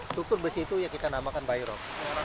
struktur besi itu yang kita namakan bayrok